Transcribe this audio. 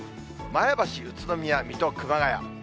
前橋、宇都宮、水戸、熊谷。